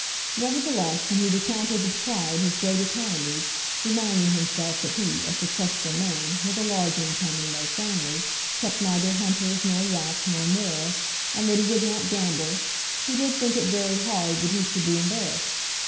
Nevertheless, when he recounted with pride his great economies, reminding himself that he, a successful man, with a large income and no family, kept neither hunters, nor yacht, nor moor, and that he did not gamble, he did think it very hard that he should be embarrassed.